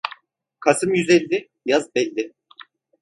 Kasım yüz elli, yaz belli.